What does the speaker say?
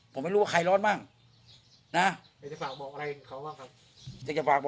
ผมไม่รู้ว่าใครร้อนบ้างนะจะฝากบอกอะไรกับเขาบ้างครับ